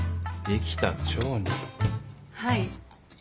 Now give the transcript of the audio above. はい。